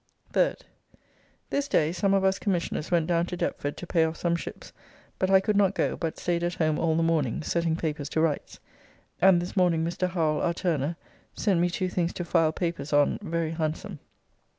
3rd. This day some of us Commissioners went down to Deptford to pay off some ships, but I could not go, but staid at home all the morning setting papers to rights, and this morning Mr. Howell, our turner, sent me two things to file papers on very handsome.